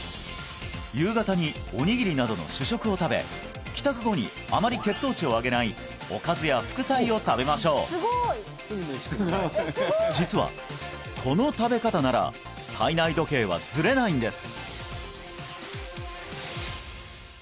夕方におにぎりなどの主食を食べ帰宅後にあまり血糖値を上げないおかずや副菜を食べましょう実はこの食べ方なら体内時計はズレないんです